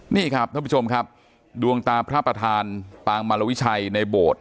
นี่ครับท่านผู้ชมครับดวงตาพระประธานปางมารวิชัยในโบสถ์